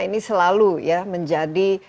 ini selalu menjadi